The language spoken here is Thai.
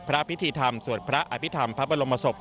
พระพิธีธรรมสวดพระอภิษฐรรมพระบรมศพ